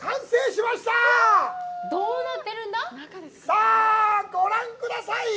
さあ、ご覧ください！